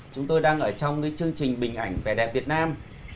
chúng tôi đang ở trong chương trình bình ảnh vẻ đẹp việt nam